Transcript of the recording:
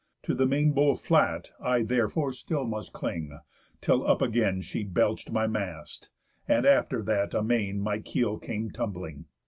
To the main bole flat I, therefore, still must cling; till up again She belch'd my mast, and after that amain My keel came tumbling.